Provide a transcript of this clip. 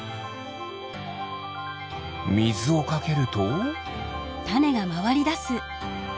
みずをかけると。